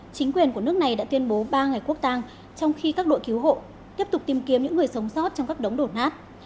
chính quyền của nước này đã tuyên bố ba ngày quốc tàng trong khi các đội cứu hộ tiếp tục tìm kiếm những người sống sót trong các đống đổ nát